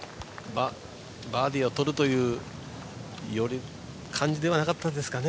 バーディーをとるという感じではなかったですかね。